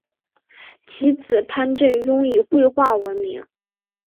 其子潘振镛以绘画闻名。